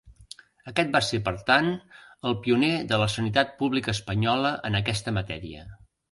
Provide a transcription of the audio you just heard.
Aquest va ser, per tant, el pioner de la sanitat pública espanyola en aquesta matèria.